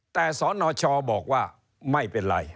แต่สนชบอกว่าไม่เป็นไร